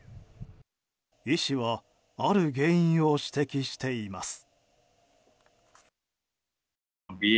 医師はある原因を指摘しています。